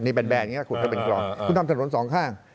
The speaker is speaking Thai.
นี่แบบแบบอย่างเงี้ยขุดให้เป็นคลองคุณทำถนนสองข้าง